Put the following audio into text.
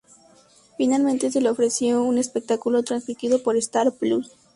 Finalmente se le ofreció un espectáculo transmitido por Star Plus.